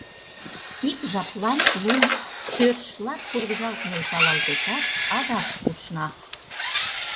Ик жаплан лум пӧршла пургыжалт нӧлталалтешат, адак пушна.